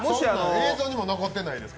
映像にも残ってないです。